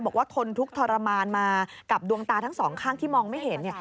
ทนทุกข์ทรมานมากับดวงตาทั้งสองข้างที่มองไม่เห็น